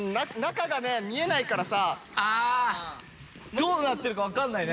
どうなのか分かんないね。